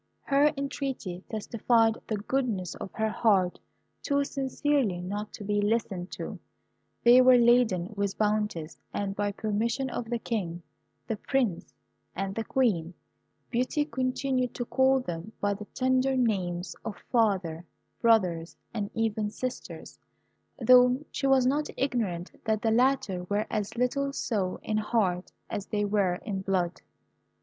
Her entreaty testified the goodness of her heart too sincerely not to be listened to. They were laden with bounties, and by permission of the King, the Prince, and the Queen, Beauty continued to call them by the tender names of father, brothers, and even sisters, though she was not ignorant that the latter were as little so in heart as they were in blood.